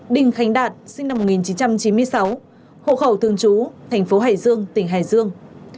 đình khánh đạt sinh năm một nghìn chín trăm chín mươi sáu hộ khẩu thường trú thành phố hải dương tỉnh hải dương